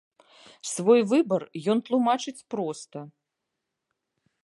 Свой выбар ён тлумачыць проста.